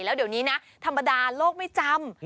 แล้วเดี๋ยวนี้นะธรรมดาโลกไม่จำ